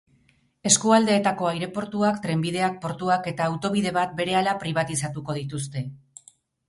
Eskualdeetako aireportuak, trenbideak, portuak eta autobide bat berehala pribatizatuko dituzte.